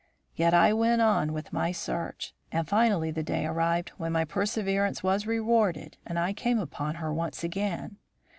Yet I went on with my search, and finally the day arrived when my perseverance was rewarded and I came upon her once again.